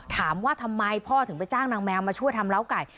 ถามว่าทำไมพ่อถึงไปจ้างนางแมวมาช่วยทำเล้าไก่